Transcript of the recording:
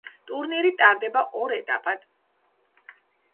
ტურნირი ტარდება ორ ეტაპად.